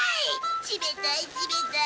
冷たい冷たい。